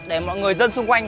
để mọi người dân xung quanh